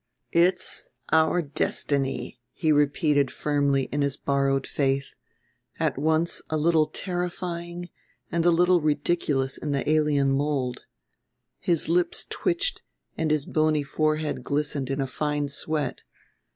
"It's our destiny," he repeated firmly in his borrowed faith, at once a little terrifying and a little ridiculous in the alien mold. His lips twitched and his bony forehead glistened in a fine sweat.